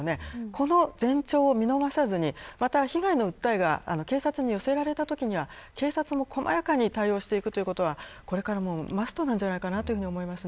この前兆を見逃さずにまた、被害の訴えが警察に寄せられときには警察も細やかに対応していくということがこれからマストだというふうに思います。